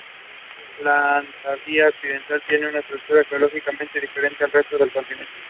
La Antártida Occidental tiene una estructura geológicamente diferente del resto del continente.